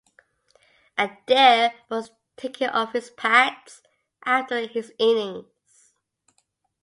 Adair was taking off his pads after his innings.